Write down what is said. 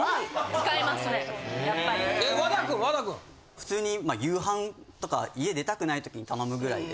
普通に夕飯とか家出たくない時に頼むくらいで。